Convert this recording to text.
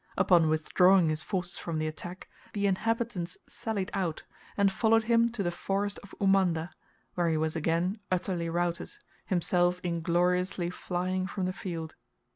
Upon withdrawing his forces from the attack, the inhabitants sallied out, and followed him to the forest of Umanda, where he was again utterly routed, himself ingloriously flying from the field.